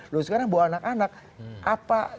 lalu sekarang membawa anak anak apa